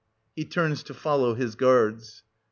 \_He turns to follow his guards.